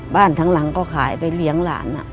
ทั้งหลังก็ขายไปเลี้ยงหลาน